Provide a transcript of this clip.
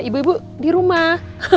ibu ibu di rumah